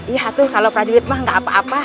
iya tuh kalau prajurit mah gak apa apa